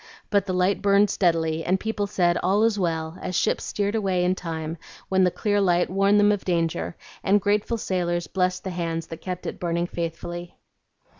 But the light burned steadily, and people said, 'All is well,' as ships steered away in time, when the clear light warned them of danger, and grateful sailors blessed the hands that kept it burning faithfully."